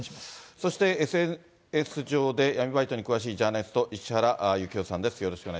そして、ＳＮＳ上で闇バイトに詳しいジャーナリスト、石原行雄さんです。